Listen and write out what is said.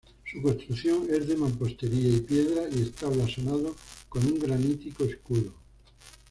Su construcción es de mampostería y piedra y está blasonado con un granítico escudo.